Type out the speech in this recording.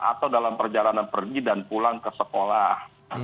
atau dalam perjalanan pergi dan pulang ke sekolah